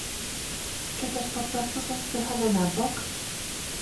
Czy też po prostu są spychane na bok?